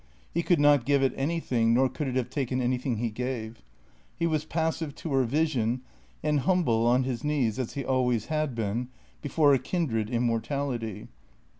He could not give it anything, nor could it have taken anything he gave. He was passive to her vision and humble, on his knees, as he always had been, before a kindred immortality.